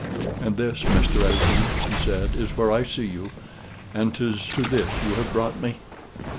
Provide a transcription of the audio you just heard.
"And this, Mr. Esmond," she said, "is where I see you; and 'tis to this you have brought me!"